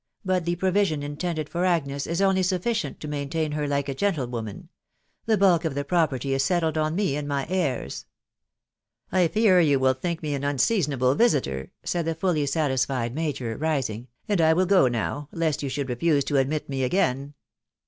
. but the provision intended for Agnes is only sufficient to maintain her like a gentlewoman. The bulk of the property is settled on me and my heirs." " I fear you will think me an unseasonable visiter," said the fully satisfied major, rising, "and I will go now, lest you should refuse to admit me again."